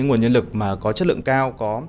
có nguồn nhân lực mà có chất lượng cao